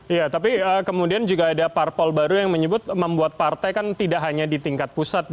iya tapi kemudian juga ada parpol baru yang menyebut membuat partai kan tidak hanya di tingkat pusat